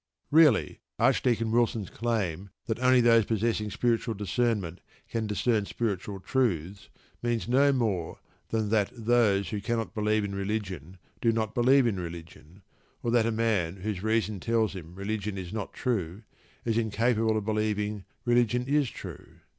Really, Archdeacon Wilson's claim that only those possessing spiritual discernment can discern spiritual truths means no more than that those who cannot believe in religion do not believe in religion, or that a man whose reason tells him religion is not true is incapable of believing religion is true.